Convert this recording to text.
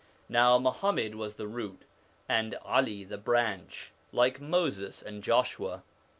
Now, Muhammad was the root, and 'Ali the branch, like Moses and Joshua.